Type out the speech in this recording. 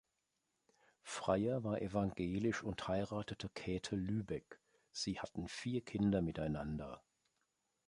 Freyer war evangelisch und heiratete Käthe Lübeck; sie hatten vier Kinder miteinander.